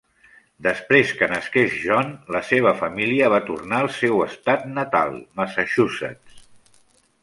Després que nasqués John, la seva família va tornar al seu estat natal, Massachusetts.